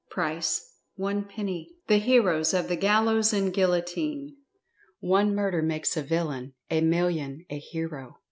PRICE ONE PENNY. THE HEROES OF THE GALLOWS AND GUILLOTINE. "One murder makes a villain, a million a hero."